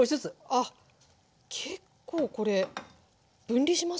あっ結構これ分離しますね。